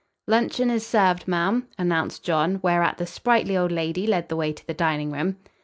"Luncheon is served, ma'am," announced John, whereat the sprightly old lady led the way to the dining room.